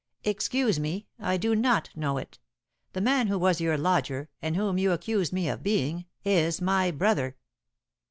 "Excuse me, I do not know it. The man who was your lodger, and whom you accuse me of being, is my brother."